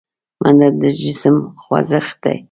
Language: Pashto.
منډه د جسم خوځښت دی